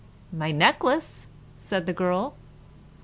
"My necklace," said the maiden.